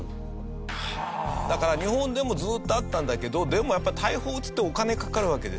だから日本でもずっとあったんだけどでもやっぱり大砲を撃つってお金かかるわけですよ。